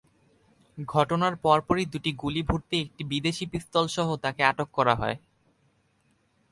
ঘটনার পরপরই দুটি গুলিভর্তি একটি বিদেশি পিস্তলসহ তাকে আটক করা হয়।